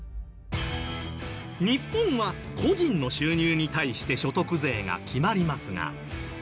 日本は個人の収入に対して所得税が決まりますが。